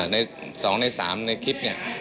ในสองในสามในคลิปเนี่ย